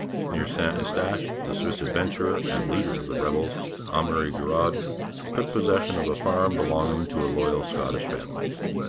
Near St Eustache the Swiss adventurer and leader of the rebels, Amury Girod, took possession of a farm belonging to a loyal Scottish family.